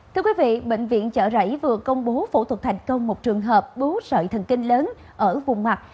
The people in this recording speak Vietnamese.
thưa quý vị bệnh viện chợ rẫy vừa công bố phẫu thuật thành công một trường hợp bú sợi thần kinh lớn ở vùng mặt